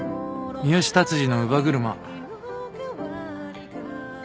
三好達治の『乳母車』。